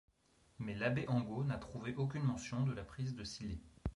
Mais l'abbé Angot n'a trouvé aucune mention de la prise de Sillé.